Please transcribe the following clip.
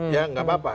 ya enggak apa apa